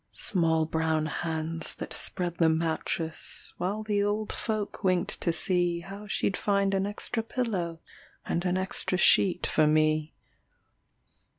Small brown hands that spread the mattress While the old folk winked to see How she'd find an extra pillow And an extra sheet for me.